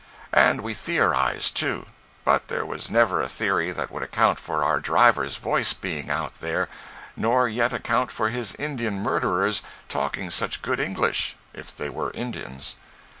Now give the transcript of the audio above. And we theorized, too, but there was never a theory that would account for our driver's voice being out there, nor yet account for his Indian murderers talking such good English, if they were Indians.